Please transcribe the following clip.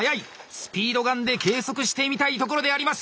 スピードガンで計測してみたいところであります。